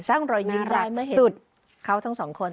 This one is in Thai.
สร้างรอยยิ้มได้เมื่อเห็นเขาทั้งสองคน